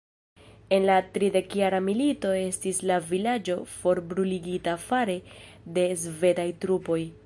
En la Tridekjara Milito estis la vilaĝo forbruligita fare de svedaj trupoj.